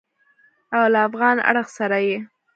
او له افغان اړخ سره یې